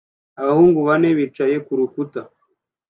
Abahungu bane bicaye ku rukuta